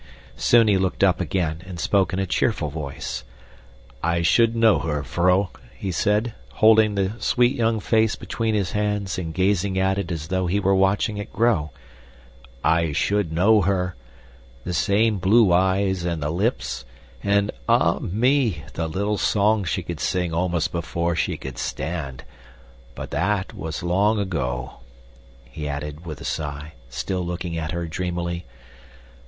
Soon he looked up again and spoke in a cheerful voice. "I should know her, vrouw," he said, holding the sweet young face between his hands and gazing at it as though he were watching it grow. "I should know her. The same blue eyes and the lips, and ah! me, the little song she could sing almost before she could stand. But that was long ago," he added, with a sigh, still looking at her dreamily.